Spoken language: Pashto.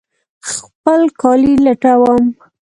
خپل کالي لټوم